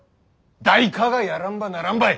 誰かがやらんばならんばい。